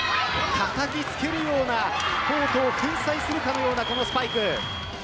たたき付けるようなコートを粉砕するかのようなこのスパイク。